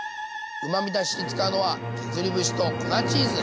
うまみだしに使うのは削り節と粉チーズ。